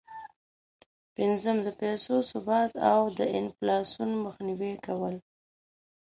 پنځم: د پیسو ثبات او د انفلاسون مخنیوی کول.